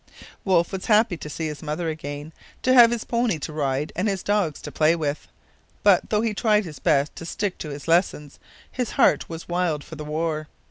Wolfe was happy to see his mother again, to have his pony to ride and his dogs to play with. But, though he tried his best to stick to his lessons, his heart was wild for the war.